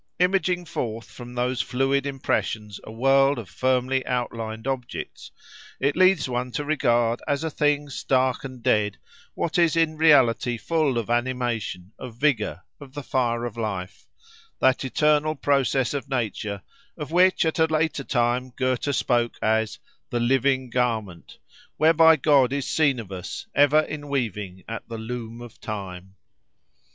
Imaging forth from those fluid impressions a world of firmly out lined objects, it leads one to regard as a thing stark and dead what is in reality full of animation, of vigour, of the fire of life—that eternal process of nature, of which at a later time Goethe spoke as the "Living Garment," whereby God is seen of us, ever in weaving at the "Loom of Time."